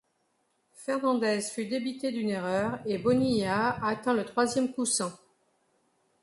Fernandez fut débité d'une erreur et Bonilla atteint le troisième coussin.